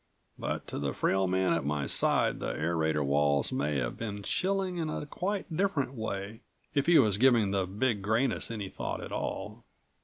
But to the frail man at my side the aerator walls may have been chilling in a quite different way, if he was giving the Big Grayness any thought at all.